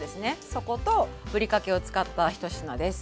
そことぶりかけを使ったひと品です。